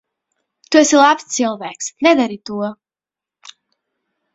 Tu esi labs cilvēks. Nedari to.